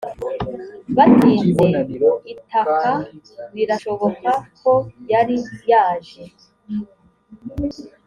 batinze itaka birashoboka ko yari yaje